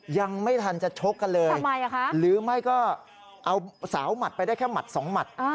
ยังไม่ทันจะชกกันเลยทำไมอ่ะคะหรือไม่ก็เอาสาวมัดไปได้แค่มัดสองมัด